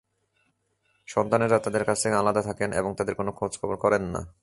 সন্তানেরা তাঁদের কাছ থেকে আলাদা থাকেন এবং তাঁদের কোনো খোঁজখবর করেন না।